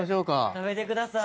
食べてください。